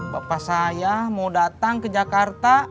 bapak saya mau datang ke jakarta